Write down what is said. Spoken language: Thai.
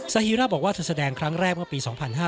ฮีร่าบอกว่าเธอแสดงครั้งแรกเมื่อปี๒๕๕๙